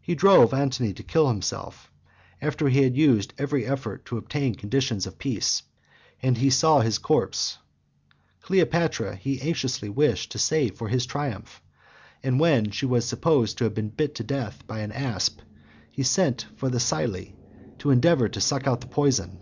He drove Antony to kill himself, after he had used every effort to obtain conditions of peace, and he saw his corpse . Cleopatra he anxiously wished to save for his triumph; and when she was supposed to have been bit to death by an asp, he sent for the Psylli to (82) endeavour to suck out the poison.